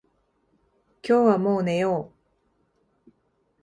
今日はもう寝よう。